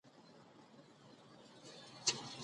د ټاکنې پر ځای چانس اغېزناک وي.